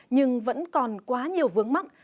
nhưng vẫn còn quá nhiều vướng mắt